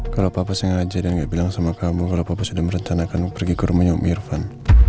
kalau papa sengaja dan gak bilang sama kamu kalau papa sudah merencanakan pergi ke rumahnya om irfan